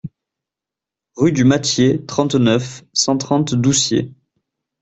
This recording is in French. Rue du Mattier, trente-neuf, cent trente Doucier